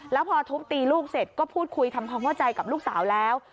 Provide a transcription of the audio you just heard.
แล้วพอทุบตีลูกเสร็จก็พูดคุยทำความเข้าใจกับลูกสาวแล้ว